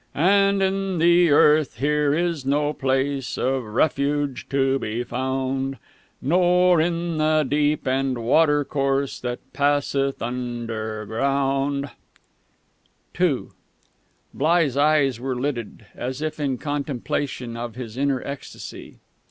"And in the earth here is no place Of refuge to be found, Nor in the deep and water course That passeth under ground " II Bligh's eyes were lidded, as if in contemplation of his inner ecstasy.